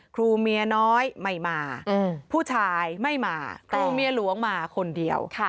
ครูเมียน้อยไม่มาผู้ชายไม่มาแต่เมียหลวงมาคนเดียว